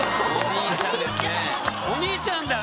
お兄ちゃんだ。